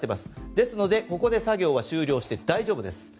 ですのでここで作業は終了して大丈夫です。